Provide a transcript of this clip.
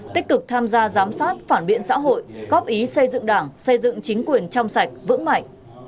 tích cực tham gia giám sát phản biện xã hội góp ý xây dựng đảng xây dựng chính quyền trong sạch vững mạnh